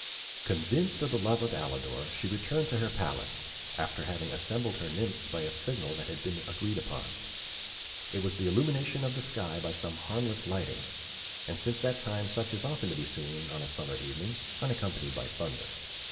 Convinced of the love of Alidor, she returned to her palace, after having assembled her nymphs by a signal that had been agreed upon. It was the illumination of the sky by some harmless lightning, and since that time such is often to be seen on a summer evening, unaccompanied by thunder.